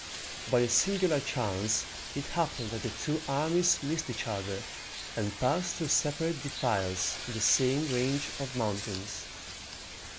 By a singular chance it happened that the two armies missed each other, and passed through separate defiles in the same range of mountains.